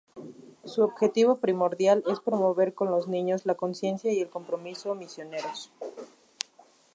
Su objetivo primordial es Promover con los niños la conciencia y el compromiso misioneros.